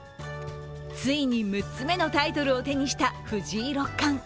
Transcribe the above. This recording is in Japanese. ついに６つ目のタイトルを手にした藤井六冠。